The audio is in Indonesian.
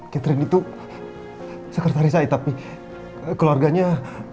catherine itu sekretaris saya tapi keluarganya